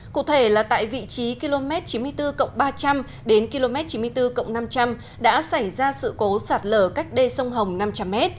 cụ thể là tại vị trí km chín mươi bốn ba trăm linh đến km chín mươi bốn năm trăm linh đã xảy ra sự cố sạt lở cách đê sông hồng năm trăm linh m